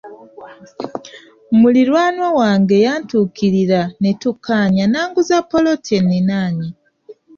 Muliraanwa wange yantuukirira ne tukkaanya n’anguza ppoloti enninaanye.